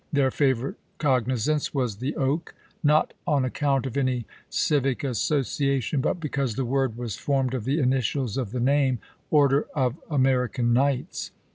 Their favorite cognizance was the oak; not on account of any civic association, but because the word was formed of the initials of the name " Order of American Knights."